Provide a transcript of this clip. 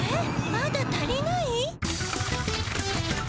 まだ足りない？